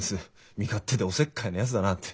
身勝手でおせっかいなやつだなって。